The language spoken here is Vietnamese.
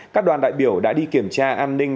các đoàn đại biểu đã đi kiểm tra an ninh